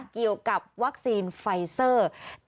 เกี่ยวกับวัคซีนไฟเซอร์